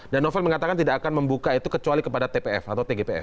dan novel mengatakan tidak akan membuka itu kecuali kepada tpf atau tgpf